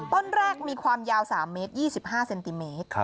ต้นแรกมีความยาว๓เมตร๒๕เซนติเมตร